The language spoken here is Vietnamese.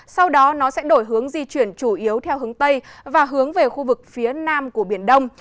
sau đó nó sẽ đổi hướng di chuyển chủ yếu theo hướng tây và hướng về khu vực phía nam của biển đông